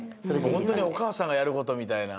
ホントにおかあさんがやることみたいな。